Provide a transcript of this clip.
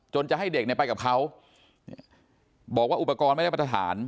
จะให้เด็กเนี่ยไปกับเขาบอกว่าอุปกรณ์ไม่ได้มาตรฐาน